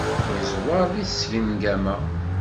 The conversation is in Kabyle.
Yeẓwer deg tsengama.